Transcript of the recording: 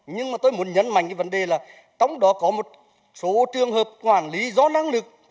nhưng mà tôi muốn nhấn mạnh cái vấn đề là trong đó có một số trường hợp quản lý do năng lực